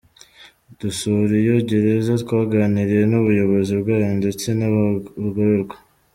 Dusura iyo Gereza twaganiriye n’Ubuyobozi bwayo ndetse n’abagororwa.